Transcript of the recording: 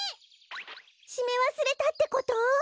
しめわすれたってこと！？